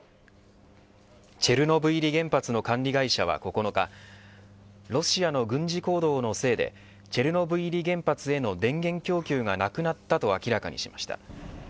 チェルノブイリ原発の管理会社は９日ロシアの軍事行動のせいでチェルノブイリ原発への電源供給がなくなったと明らかにしました。